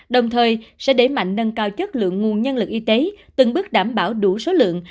đồng thời sẽ đẩy mạnh nâng cao chất lượng nguồn nhân lực y tế từng bước đảm bảo đủ số lượng